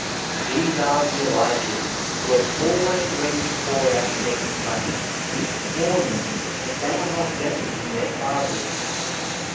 These are the Elijahs who are always ready to pour out their complaints, mourning that they are not better than their fathers.